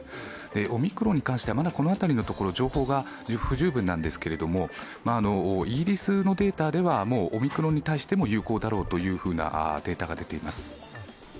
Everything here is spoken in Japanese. オミクロンに関しては情報が不十分なんですけど、イギリスのデータでは、オミクロンに対しても有効だろうというデータが出ています。